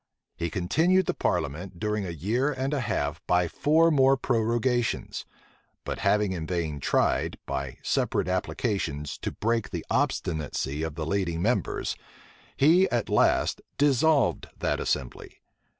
He continued the parliament during a year and a half by four more prorogations; but having in vain tried, by separate applications, to break the obstinacy of the leading members, he at last dissolved that assembly.